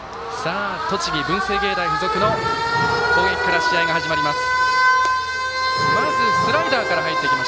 栃木、文星芸大付属の攻撃から試合が始まります。